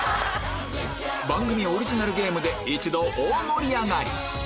番組オリジナルゲームで一同大盛り上がり！